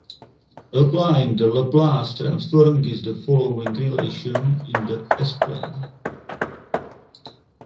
Applying the Laplace transform gives the following relation in the s-plane.